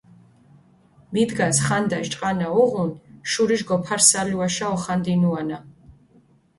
მიდგას ხანდაშ ჭყანა უღუნ, შურიშ გოფარსალუაშა ოხანდინუანა.